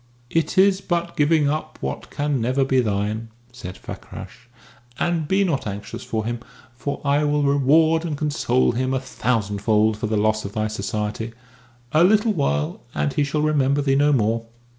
"It is but giving up what can never be thine," said Fakrash. "And be not anxious for him, for I will reward and console him a thousandfold for the loss of thy society. A little while, and he shall remember thee no more."